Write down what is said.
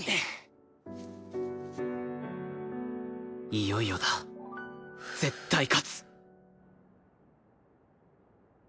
いよいよだ絶対勝つ！